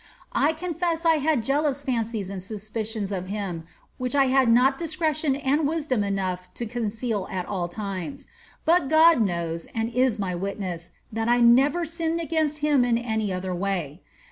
I confess I have had jealous fancies and suspicions of him which I had not discretion and wisdom enough to conceal at all times. But God knows, and is my witness, that I never sinned against him in any other way.